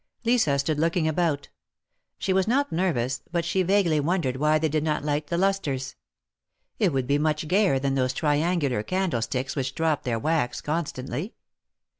Lisa stood looking about. She was not nervous, but she vaguely wondered why they did not light the lustres. It would be much gayer than those triangular candlesticks which dropped their wax constantly.